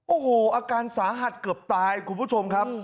โอ้โหอาการสาหัสเกือบตายคุณผู้ชมครับ